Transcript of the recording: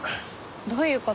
どういう事？